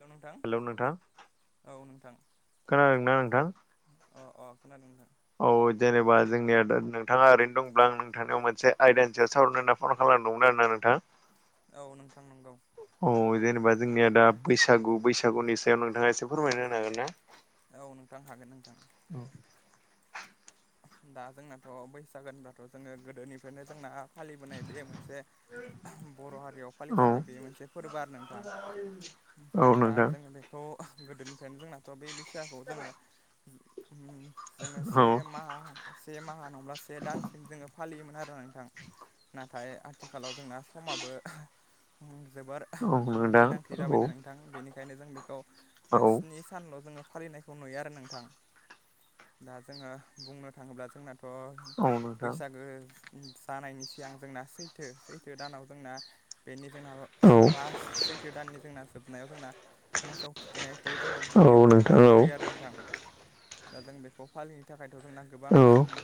हेल' नोंथां हेलौ नोंथां औ नोंथां खोनादोंना नोंथां अ-अ खोनादों नोंथां औ जेनेबा जोंनिया नोंथाङा ओरैनो दंब्ला आं नोंथांजों मोनसे आयदानि सायाव सावरायनो होननासो फन खालाम दोंमोन आरोना नोंथां। औ नोंथां नंगौ। औ जेनेबा जोंनिया दा बैसागु बैसागुनि सायाव नोंथाङा एसे फोरमायना होनो हागोना। औ नोंथां हागोन नोंथां। औ दा जोंनाथ' बैसागो होनबाथ' जोङो गोदोनिफ्रायनो जोंनाओ फालिबोनाय बे मोनसे बर' हारियाव होनो फालिजानाय बे मोनसे फोरबो आरो नोंथां। हागोन दा ना जों बेयो खौ गोदोनिफ्रायनो जोंनाथ' बे बैसागोखौ जोङो जोङो औ सेसो से माहा नङब्ला से दानसिम जोङो फालियोमोन आरो नोंथां। नाथाय आथिखालाव जोंना समाबो जोबोर औ नोंथां गोनांथि जाबायना नोंथां। औ थां बेनिखायनो जों बेखौ औ नोंथां औ स्नि [unintelligible] सानल' जोङो फालिनायखौ नुयो आरो नोंथां दा जोङो बुंनो थाङोब्ला जोंना थ' औ नोंथां बैसागो। जानायनि सिगां जोंना सैथो सैथो दानाव जोंनाओ बेनि जोंना औ लास्ट सैथो दाननि जोंना जोबनायाव जोंनाओ मोसौ थुखैनायखौ जोङो औ गिबियावनो नोंथां औ औ फालिग्रोयो आरो नोंथां दा जों बेखौ फालिनो थाखायो थ जोंना गोबां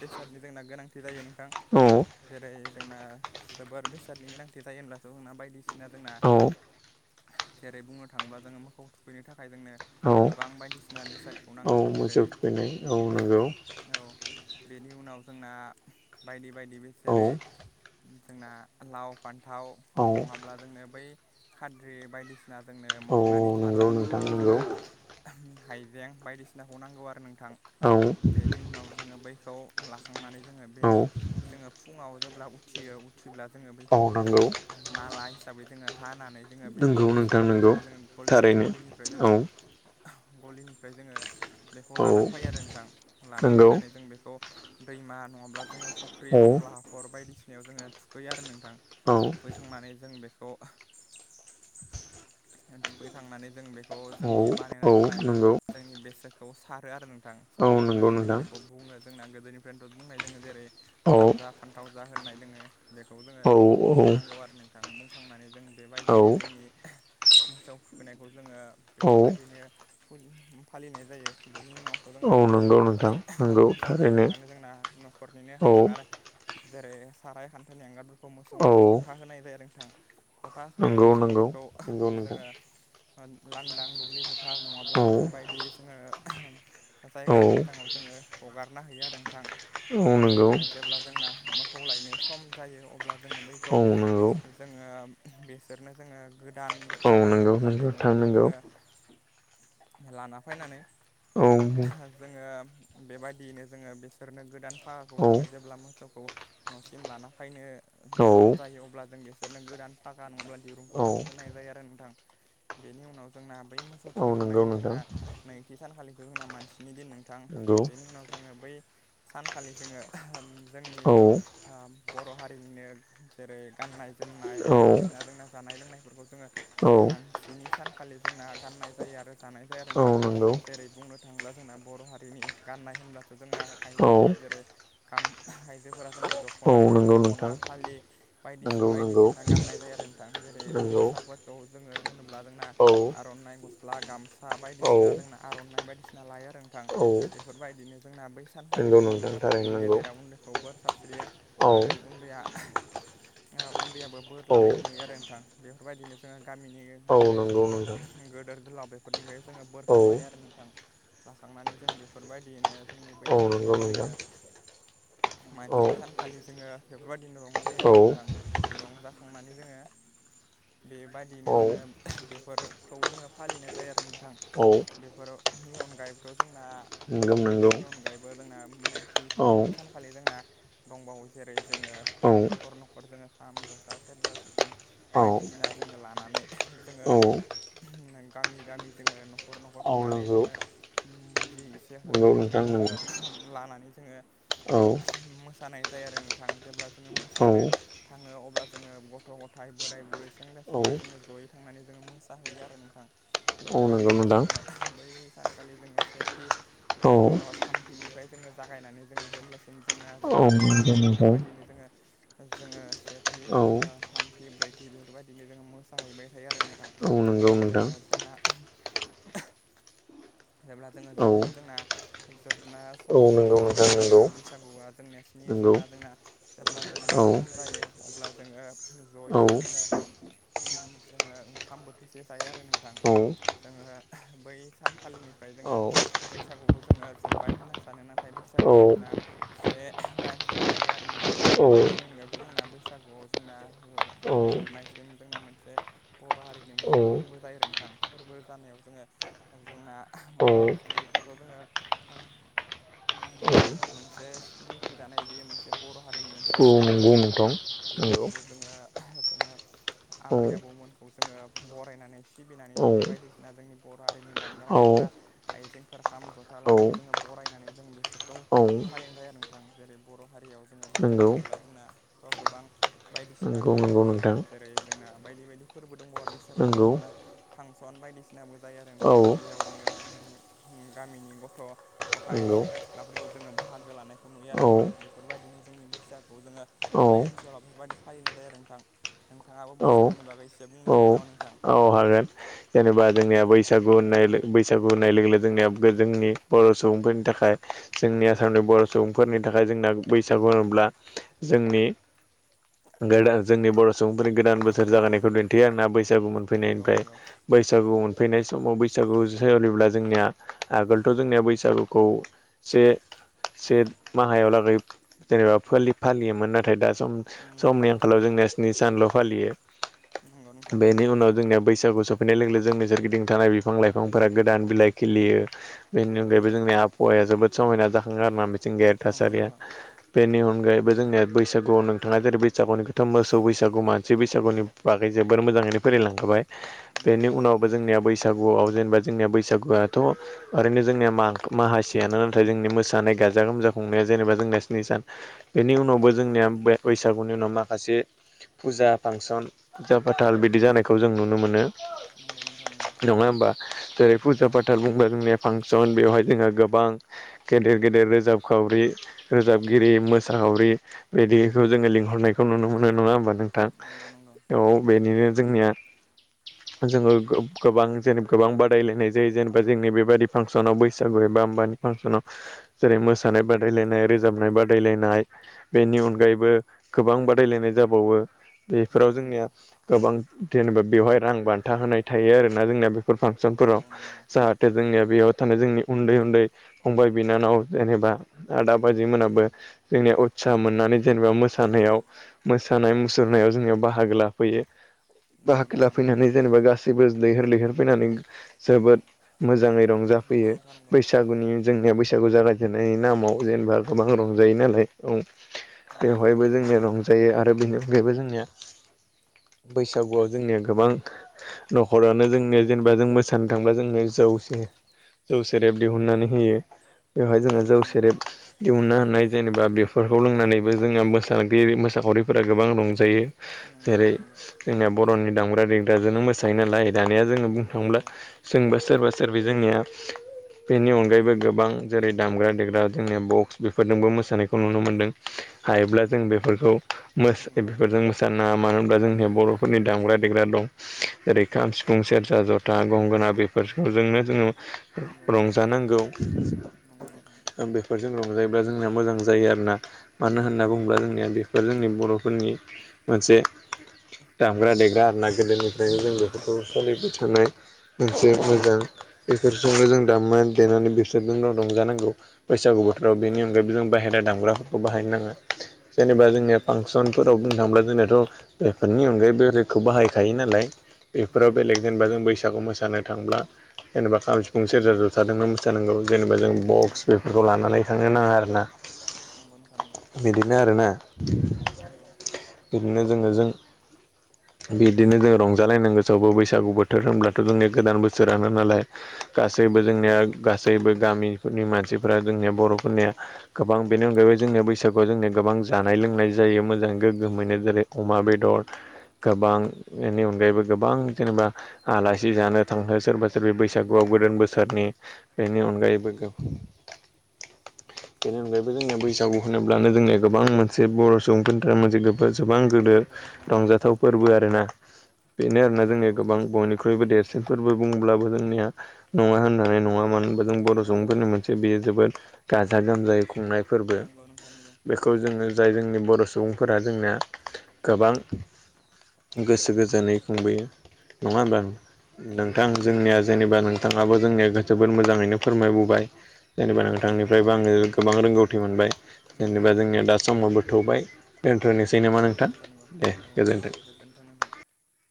बेसादनि जोंना गोनांथि जायो नोंथांजों औ जेरै जोंना जोबोर बेसादनि गोनांथि जायोहोनब्लाथ' जोंना बायदिसिना जोंनाओ जेरै बुंनो थाङोब्ला जोङो मोखौ थुखैनो थाखाय जोंनो औ गोबां बायदिसिना बेसादा औ मोसौ थुखैनाय औ नंगौ। औ बेनि उनाव जोंना बादि बादि बे औ जेरैओ जोंना लाव फान्थाव औ नङाब्ला जोंनो बैओ खाद्रि बायदिसिना जोंनो औ मोखनानि नंगौ थारा नोंथां नङाब्ला नंगौ जोङो। हाइजें बायदिसिनाखौ नांगौ आरो नोंथां। औ। बेनि उनाव जोङो बैखौ लाखांनानै जोङो औ बेनिनो जोङो फुङाव जेब्ला उथियो उथिब्ला जोङो बैखो मावनांगौ। माला हिसाबै जोङो हानानै जोङो बेखौ नंगौ नोंथां मोसौखौ नंगौ जेब्ला जोङो गलिनि थारैनो गलिनियो ओमफ्राय औ जोंना गलिनिफ्राय जोङो बेखौ औ लाना फायो आरो नोंथां। लाना नंगौ फायनानै जों बेखौनो दैमा नङाब्ला जोङो फख्रि औ नङाब्ला हाखर बायदिसिनायाव जोङो थुखैयो आरो नोंथां। औ थुखैखांनानै जों बेखौओ थुखैखांनानै जों बेखौ औ जोंनि बानायना औ दोननाय नंगौ जोंनि बेसोखौ सारो आरो नोंथां औ नंगौ सारखांनानै जों नोंथां बेखौ बुङो। जोंना गोदोनिफ्रायनोथ' बुंनाय जोङो जेरै औ लाव जा फान्थाव जा होननाय दोङो बेखौ जोङो। औ औ बुंनांगौ आरो नोंथां बुंखांनानै जों औ बेबायदियैनो जोंनि मोसौ थुखैनायखौ जोङो औ बेफोरबायदिनो फालिनाय जायो बेनि उनावथ' औ जोंनाबो नंगौ बै नोंथां नंगौ मोसौ थारैनो थुखैखांनानै जोंना न'खरनिनो औ हांगार जेरै साराय खान्थनि हांगारफोरखौ औ मोसौनो फथा होनाय जायो आरो नोंथां। फथा नंगौ होखांनानै जों नंगौ बेखौ नंगौ नोंथां जोङो ओ लांदां दुब्लि फोथार नङाब्ला औ जोङो बायदि जोङो औ जायगा लांङो दाङाव जोङो हगारना हैयो आरो नोंथां। औ अब्ला नंगौ जोङो जेब्ला जोंना मोखौ लायनो सम जायो अब्ला जोङो बैखौ। औ नंगौ जोङो बेसोरनो जोङो गोदान औ फागा नंगौ नङाब्ला नंगौ नोंथां दिरुंखौ जोङो। [inaudible] लाना फैनानै औ जोङो। बेबायदियैनो जोङो बिसोरनो गोदान फागाखौ औ जोङो जेब्ला मोसौखौ न'सिम लाना फायनो सम औ जायो अब्ला जों बिसोरनो गोदान फागा नङाब्ला दिरुं खौ औ जों होनाय जायो आरो नोंथां बेनि उनाव जोंना बै मोसौ औ नंगौ थुखैखांनायनि नोंथां जोंना नैथि सानखालिथ जोंना मानसिनि दिन नोंथां नंगौ बेनि उनाव जोङो बै सानखालि जोङो जोंनि औ ओ बर' हारिनिनो जेरै गाननाय जोमनाय बायदिसिना औ जोंना जानाय लोंनायफोरखौ जोङो औ बै मानसिनि सानखालि जोंना गाननाय जायो आरो जानाय जायो औ नोंथां नंगौ जेरै बुंनो थाङोब्ला जोंना बर' हारिनि गाननाय होनब्लाथ' जोंना औ आइजोफोरा जेरै गाम आइजोफोरा जोंनि औ दख'ना नंगौ दख'ना नोंथां फालि बायदिसि नंगौ बायदि नंगौ जोंना गाननाय जायो आरो नोंथां जेरै नंगौ हौवासाफोरखौ जोङो होनोब्ला जोंना औ आर'नाइ गस्ला गामसा औ बायदिसिना जोंना आर'नाइ बायदिसिना लायो आरो नोंथां औ बेफोर बायदिनो जोंना बै नंगौ सानखालिबो नोंथां थारैनो जोङो नंगौ गेदेरा उन्दैखौ बोर सास्रियो औ आरो उदया ओ उन्दैयाबो बोर औ लानायखौ नुयो आरो नोंथां बेफोर बायदिनो जोङो गामिनि औ जेरै नंगौ नोंथां ओ गोदोर गोलाव बेफोरनिफ्राय जोङो औ बोरखौ लायो आरो नोंथां लाखांनानै जों बे फोर बायदियैनो जोंनि बै औ नंगौ सानखालि जोङो नोंथां औ मानसिनि सानखालि जोङो बेफोर बादिनो रंजायो औ आरो नोंथां रंजाखांनानै जोङो बेबादियैनो औ जोङो बेफोरखौ जोङो फालिनाय जायो आरो नोंथां औ बेफोरनि अनगायैबोथ' जोंना नंगौ नंगौ बेनि अनगायैबो जोंना नैथि औ थामथि सानखालि जोंना दंबावो जेरै जोङो औ न'खर न'खर जोङो खाम जथा सेरजा सिफुं औ बायदिसिना जोङो लानानै जोङो गामि गामि जोङो न'खर न'खर औ थांनानै नंगौ जोङो उम जि इसे हरो नंगौ नोंथां बेखौनो जोङो नंगौ लानानै जोङो औ मोसानाय जायो आरो नोंथां जेब्ला जोङो औ मोसानो थाङो अब्ला जोङो गथ' गथाय बोराय बुरै सेंग्रा औ सिख्ला जोङो जयै थांनानै जोङो मोसाहैयो आरो नोंथां औ बेफोर नंगौ बादिनो नोंथां जोङो [inaudible] बै सानखालि जोङो सेथि औ ओ अ थामथिनिफ्राय जोङो जागायनानै जोङो जेब्लासिम जोंना औ जोब [unintelligible] नो नंगौ सम जायो बेफोर नोंथां बायदिनो जोङो ओ जोङो सेथि औ ओ थामथि ब्रैथि बेफोर बायदिनो जोङो मोसाहैबाय थायो आरो नोंथां औ नंगौ जेब्ला नोंथां जोङो जोंना जेब्ला जोङो औ जोबनो जोंना जोबना औ समाव जोङो नंगौ जेब्ला नोंथां जोंना नंगौ बैसागुआ जोंनिया स्नि नंगौ साना जोंना जेब्ला जोबनो सम औ जायो अब्ला जोङो ज'यैनो औ जोङो ओं जोङो ओंखाम बोथिसे जायो आरो नोंथां औ जोङो बै सान खालिनिफ्राय जोङो बैसागुखौ जोङो जोब्बाय होनना सानो नाथाय बैसागुआ जोंना से दाइनसिम थायो आरो नोंथां बेनि अनगायैबोथ' जोंना बैसागुआव जोंना जोबनायसिम जोंना मोनसे बर' हारिनि औ मोनसे फोरबो जायोरो नोंथां फोरबो जानायाव जोङो जोंना हाबा फुथ्लिखौथ' जोङो ओम ओम मोनसे मिथिजानाय बेयो मोनसे बर' हारिनि मोनसे फोरबो आरो नोंथां बे फोरबोखौ जोङो जोङो आबै आबौमोनखौ जोङो बरायनानै सिबिनानै जोङो बायदिसिना जोंनि बर' हारिनि दाम ग्रा देग्रा आइजेंफोर खाम जथा लानानै जोङो बरायनानै जों बेसोरखौ औ फालिनाय जाया नोंथां जेरै बर' हारियाव जोङो बुंनो थाङोब्ला जोंनाथ' गोबां बायदिसिना नंगौ नोंथां नंगौ औ नंगौ दंबावो नोंथां जेरै जोंना बायदि बायदि फोरबो दंबावो बैसागु नंगौ बोथोराथ' जोंना फांसन बायदिसिनाबो जायो आरो औ नोंथां जेराव जोङो उम गामिनि गथ' गथाइ नंगौ सेंग्रा सिख्लाफोरखौ जोङो बाहागो लानायखौ नुयो आरो औ नोंथां बेफोर बायदिनो जोंनि बैसागुखौ जोङो औ बै ओनसोलाव बेफोर बायदि फालिनाय जायो आरो नोंथां नोंथाङाबो औ बैसागुनि बागै एसे बुंनो हागोन औ नामा नोंथां औ हागोन जेनेबा जोंनिया बैसागु होननाय लोग बैसागु होननाय लोगो लोगो जोंनिया जोंनि बर' सुबुंफोरनि थाखाय जोंनि आसामनि बर' सुबुंफोरनि थाखाय जोंना बैसागु होनोब्ला जोंनि गोदान जोंनि बर' सुबुंफोरनि गोदान औ बोसोर औ जागायनायखौ नंगौ दिन्थियो आरोना बैसागु नंगौ मोनफैनायनिफ्राय नंगौ बैसागु मोनफैनाय समाव बैसागु सोलिब्ला जोंनिया आगोलथ' जोंनिया बैसागुखौ से से माहायाव लागै जेनेबा फोलि-फालियोमोन नाथाय दा नंगौ सम-समनि आंखालाव जोंनिया स्नि सानल' फालियो नंगौ नोंथां बेनि उनाव जोंनिया बैसागु सम नाय लोगो लोगो जोंनि सोरगिदिं थानाय बिफां लाइफांफोरा गोदान बिलाइ खिलियो बेनि नंगौ अनगायैबो नंगौ जोंनिया आब हावाया जोबोद समायना जाखाङो आरोना मिथिंगायारि नंगौ थासारिया नोंथां बेनि अनगायैबो जोंनिया बैसागुआव नोंथाङा जेरै बैसागुनि खोथा मोसौ बैसागु मानसि बैसागुनि बागै जोबोर मोजाङैनो फोरोलांखाबाय नंगौ बेनि नंगौ उनावबो जोंनिया बैसा बगुआव जेनेबा जोंनि बैसागुआथ' ओरैनो जोंनिया मा माहासेयानो नाथाय जोंनि मोसानाय गाजा गोमजा खुंनाया जेनेबा जोंनिया स्नि सान बेनि उनावबो नंगौ नंगौ जोंनिया बे बैसागुनि उनाव माखासे फुजा फांसन फुजा फाथाल बिदि जानायखौ जों नुनो मोनो नंगौ नोंथां नङा होमबा जेरै फुजा नंगौ फाथाल बुंबा जोंनिया फांसन बेवहाय जोंहा गोबां गेदेर गेदेर रोजाबखावरि नंगौ रोजाबगिरि नोंथां मोसा साखावरि बिदिखौ जोङो लिंहरनायखौ नुनो मोनो नङा होमबा नों थां नंगौ नंगौ औ बेनिनो जोंनिया जोङो गोबां जेन गोबां बादायलायनाय जायो जेनेबा जोंनि बेबाददि फांसनाव बैसागु एबा होमबानि फांसनाव जेरै मोसानाय बादायलायनाय रोजाबनाय बादायलायनाय बेनि अनगायैबो गोबां बादायलायनाय जाबावो बेफोराव नंगौ नंगौ जोंनिया गोबां जेनेबा बेवहाय रां बान्था होनाय थायो आरोना जोंनिया बे फोर फांसनफोराव नंगौ नंगौ जाहाथे जोंनिया बेयाव थानाय जोंनि उन्दै उन्दै फंबाय बिनानाव जेनेबा आदा बाजैमोनाबो जोंनिया सा मोननानै जेनेबा मोसानायाव मोसानाय मुसुरनायाव जोंनियाव बाहागो लाफैयो नंगौ बाहागो ला नोंथां जेनेबा गासिबो लैहोर लैहोर फैनानै जोबोद मोजाङै नंगौ रंजाफैयो नोंथां नंगौ बैसा सागुनि जोंनिया बैसागु जागायजेननाय नामाव जेनेबा गोबां रंजायो नालाय औ नंगौ नोंथां बेवहायबो जोंनिया दं जायो आरो बेनि अनगायैबो जोंनिया बैसागुआव जोंनिया गोबां न'खरानो जोंनि जेनेबा जों मोसानो थांब्ला जोंनो जौ सेरेब जौ सेरेब दिहुननानै होयो बेवहाय नंगौ जोङो जौ नोंथां सेरेब दिहुनना होननाय जेनेबा बेफोरखौ लोंनानैबो जोंहा मोसागिरि मोसाखावरिफोरा गोबां रंजायो नंगौ नंगौ जेरै नोंथां जोंनिया बर'नि दामग्रा देग्राजोंनो मोसायो नालाय दानिया जोङो बुंनो नंगौ नंगौ थाङोब्ला जोंबा सोरबा सोरबि जोंनिया बेनि अनगायैबो गोबां जेरै दामग्रा देग्रा जोंनिया बक्स बेफोरजोंबो मोसानायखौ नुनो मोन्दों हायोब्ला जों नंगौ नंगौ बेफोरखौ बेफोरजों मोसानो नाङा मानो होनब्ला जोंनिया नंगौ बर'फोरनि दामग्रा देग्रा दं जेरै खाम सिफुं सेरजा जथा गंगोना बेफोरखौजोंनो जोङो नंगौ नंगौ रंजानांगौ नोंथां बेफोरजों रंजायोब्ला जोंनिया मोजां जायो आरोना मानो नंगौ होनना नोंथां नंगौ बुङोब्ला जोंनिया बेफोर जोंनि बर' फोरनि मोनसे दामग्रा देग्रा आरो ना गोदोनिफ्रायनो नंगौ नोंथां नंगौ जों बेफोरखौ फालिबाय थानाय मोनसे मोजां बेफोरजोंनो जों दामनानै देनानै बेसोरजोंनाव रंजानांगौ बैसागु बोथोराव बेनि नोंथां अनगायैबो नंगौ जों बाहेरा दामग्राफोरखौ बाहायनो नाङा जेनबा नंगौ नोंथां जोंनिया नंगौ फांसन फोराव बुंनो थाङोब्ला जोंनाथ' बेफोरनि अनगायैबो बेलेगखौ बाहायखायो नालाय बेफोराव नंगौ नोंथां बेलेग जेनेबा जों बैसागु मोसानो थांब्ला जेनेबा खाम सिफुं नंगौ सेरजा जथादोनो मोसानांगौ जेनेबा जों नंगौ नोंथां नंगौ बक्स बेफोरखौ लानानै थांनो नाङा आरोना नंगौ नोंथां नंगौ बिदिनो आरोना नंगौ बिदिनो जोङो जों बिदिनो जों रंजालायनांगौ सबबो बैसागु बोथोर होनब्लाथ' जोंनि गोदान बोसोरानो नालाय। गासैबो नंगौ जोंनिया नोंथां गासैबो गामिफोरनि मानसिफोरा जोंनिया बर'फोरनिया गोबां बेनि अनगायैबो जोंनिया बैसागोआव जों गोबां जानाय लोंनाय नंगौ जायो मोजां गोग्गोमैनो जेरै अमा बेदर गोबां बेनि अनगायैबो गोबां जेनेबा आलासि जानो थांनो सोरबा सोरबि नंगौ बैसागुआव नोंथां गोदान नंगौ बोसोरनि बेनि अनगायैबो बेनि अनगायैबो जोंनिया बैसागु होनोब्लानो जोंनिया गोबां मोनसे बर' सुबुंफोरनि थाखाय मोनसे गो गोबां गोदो नंगौ नोंथां नंगौ रंजाथाव फोरबो आरोना। बेनो नंगौ आरोना नोंथां जोंनिया नंगौ गोबां बयनिख्रुइबो नंगौ देरसिन फोरबो बुंब्लाबो जोंनिया नङा होननानै नङा मानो होनबा जों बर' नोंथां नंगौ सुबुंफोरनि मोन से बेयो जोबोद गाजा गोमजायै खुंनाय फोरबो नंगौ नंगौ नोंथां नंगौ बे खौ जोङो जाय जोंनि बर' सुबुंफोरा जोंनिया गोबां गोसो गोजोनै खुंबोयो नङा होमबा नंगौ नोंथां नंगौ जोंनिया जेनेबा नोंथाङाबो जोंनिया जोबोद मोजाङैनो फोरमायबोबाय जेनेबा नंगौ नोंथां नंगौ नोंथां नोंथांनिफ्रायबो आङो गोबां रोंगौथि मोनबाय नंगौ नंगौ जेनेबा नोंथां नंगौ जोंनिया दा समाबो थौबाय। दोनथ'नोसै नामा नोंथां नंगौ नंगौ औ दे। नोंथां गोजोन्थों नोंथां।